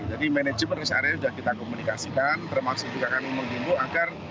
jadi manajemen res area sudah kita komunikasikan termasuk juga kami menghubung agar